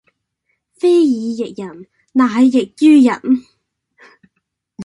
非以役人乃役於人